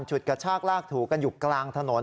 ฉุดกระชากลากถูกันอยู่กลางถนน